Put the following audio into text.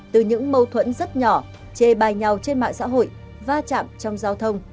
từ những mâu thuẫn rất nhỏ chê bài nhau trên mạng xã hội va chạm trong giao thông